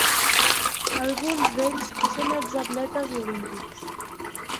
Alguns d'ells són exatletes olímpics.